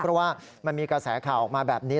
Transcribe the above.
เพราะว่ามันมีกระแสข่าวออกมาแบบนี้